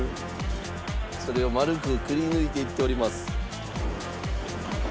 それを丸くくりぬいていっております。